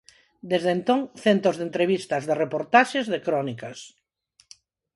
Desde entón, centos de entrevistas, de reportaxes, de crónicas.